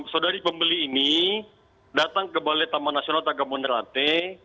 saudari pembeli ini datang ke balai taman nasional tagamundrate